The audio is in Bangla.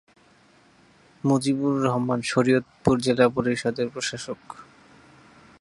মজিবুর রহমান শরীয়তপুর জেলা পরিষদের প্রশাসক।